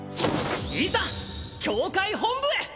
いざ教会本部へ！